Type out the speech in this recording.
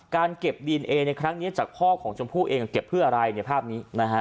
การเก็บดีเอนเองในครั้งนี้จะเก็บเพื่ออะไร